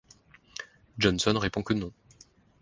Johnson répond que non.